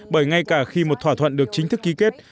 bởi ngay cả khi một thỏa thuận được chính thức ký kết